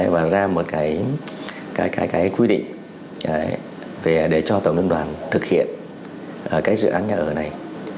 và ra một cái quy định để cho tổng liên đoàn thực hiện cái dự án nhà ở này